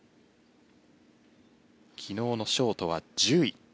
昨日のショートは１０位。